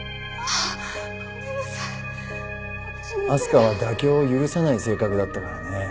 明日香は妥協を許さない性格だったからね。